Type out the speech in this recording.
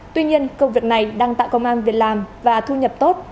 tuy nhiên công việc này đang tạo công an việc làm và thu nhập tốt